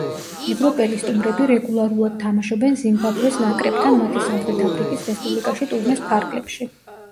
ევროპელი სტუმრები რეგულარულად თამაშობენ ზიმბაბვეს ნაკრებთან მათი სამხრეთ აფრიკის რესპუბლიკაში ტურნეს ფარგლებში.